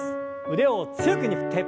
腕を強く振って。